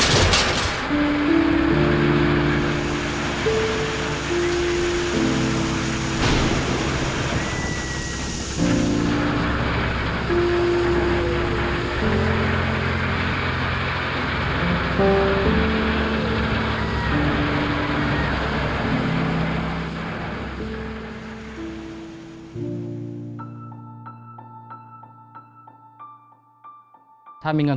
สวัสดีครับน้องเล่จากจังหวัดพิจิตรครับ